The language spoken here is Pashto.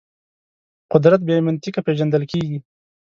قدرت بې منطقه پېژندل کېږي.